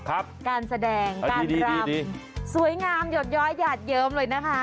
การแสดงการรำสวยงามหยดย้อยหยาดเยิ้มเลยนะคะ